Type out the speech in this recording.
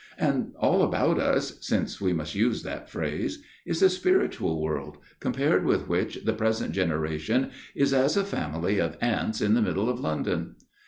And all about us since we must use that phrase is a spiritual world, compared with which the present generation is as a family of ants in the middle of London.